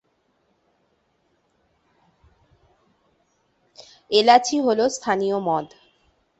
এলাচি হল স্থানীয় মদ।